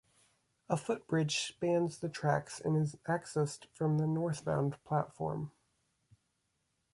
A footbridge spans the tracks and is accessed from the northbound platform.